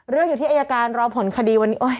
เรื่องอยู่ที่อายการรอผลคดีวันนี้